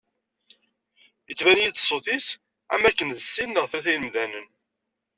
Yettban-iyi-d ṣṣut-is am wakkan d sin neɣ tlata n yemdanen.